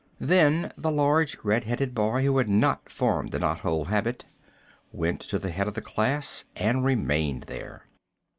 Then the large red headed boy, who had not formed the knot hole habit went to the head of the class and remained there.